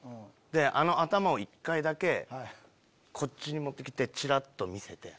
あの頭を１回だけこっちに持って来てちらっと見せて。